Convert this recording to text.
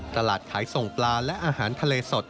ตลาดขายส่งปลาและอาหารทะเลสด